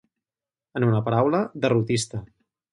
En una paraula, derrotista.